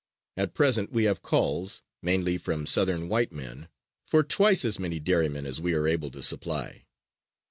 At present we have calls mainly from Southern white men for twice as many dairymen as we are able to supply.